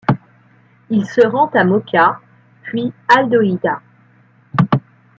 Il se rend à Mokka, puis al-Hodeïda.